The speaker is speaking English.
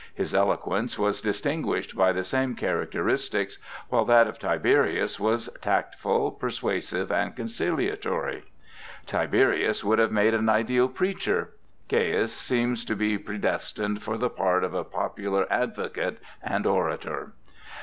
His eloquence was distinguished by the same characteristics, while that of Tiberius was tactful, persuasive, and conciliatory. Tiberius would have made an ideal preacher; Caius seemed to be predestined for the part of a popular advocate and orator.